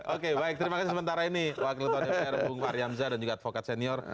oke baik terima kasih sementara ini wakil tau jepang ru bung pak aryamza dan juga advokat senior